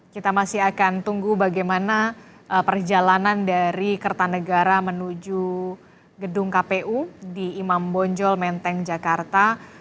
kita masih akan tunggu bagaimana perjalanan dari kertanegara menuju gedung kpu di imam bonjol menteng jakarta